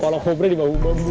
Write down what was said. kalau kobra di bambu bambu